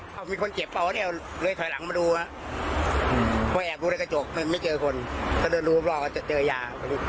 พี่ครับผ่านมาเห็นว่า